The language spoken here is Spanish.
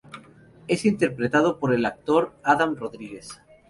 Es interpretado por el actor Adam Rodríguez.